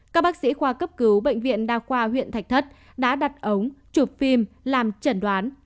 các bác sĩ khoa cấp cứu bệnh viện đa khoa huyện thạch thất đã đặt ống chụp phim làm chẩn đoán